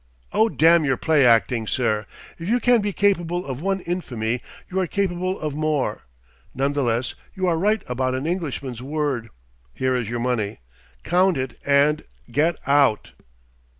"Oh, damn your play acting, sir! If you can be capable of one infamy, you are capable of more. None the less, you are right about an Englishman's word: here is your money. Count it and get out!"